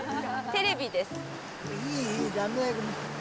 テレビです。